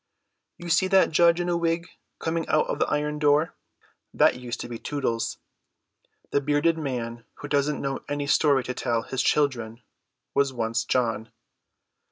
You see that judge in a wig coming out at the iron door? That used to be Tootles. The bearded man who doesn't know any story to tell his children was once John.